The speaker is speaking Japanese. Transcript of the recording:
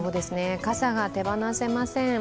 傘が手放せません。